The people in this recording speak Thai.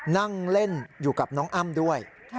นั่งเล่นอยู่กับน้องอ้ำด้วย